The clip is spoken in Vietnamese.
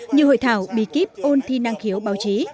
như hội thảo bí kíp ôn thi năng khiếu báo chí